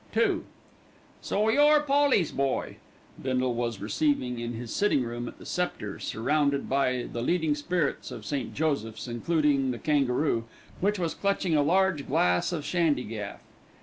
II "So you're Polly's boy." Bindle was receiving in his sitting room at the Sceptre, surrounded by the leading spirits of St. Joseph's, including the kangaroo, which was clutching a large glass of shandygaff.